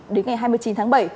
đến ngày hai mươi chín tháng bảy